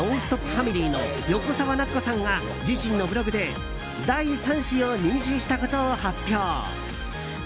ファミリーの横澤夏子さんが自身のブログで第３子を妊娠したことを発表。